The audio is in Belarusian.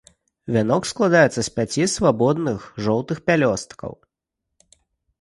Вяночак складаецца з пяці свабодных жоўтых пялёсткаў.